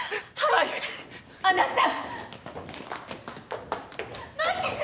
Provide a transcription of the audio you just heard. あなた！